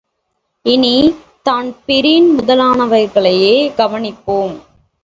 இனி, தான்பிரீன் முதலானவர்களைக் கவனிப்போம்.